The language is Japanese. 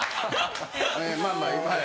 えまあまあ。